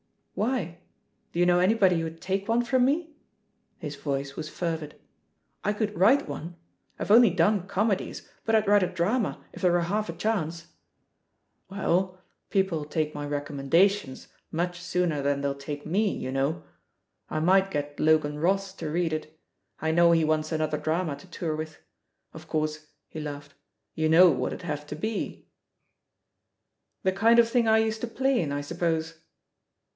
"Why? Do you know anybody who'd take one from me?" His voice was fervid. "I could write onel I've only done comedies, but I'd write a drama, if there were half a chance." "Well, people'U take my recommendations much sooner than they'll take me, you know. 114 THE POSITION OF PEGGY HARPER I might get Logan Ross to read it; I know he wants another drama to tour with. Of course,'* he laughed, "you know what it'd have to be ?" "The kind of thing I used to play in, I sup pose?"